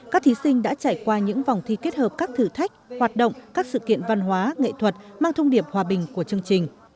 các thí sinh đã trải qua những vòng thi kết hợp các thử thách hoạt động các sự kiện văn hóa nghệ thuật mang thông điệp hòa bình của chương trình